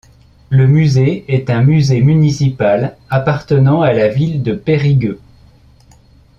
Le musée est un musée municipal appartenant à la ville de Périgueux.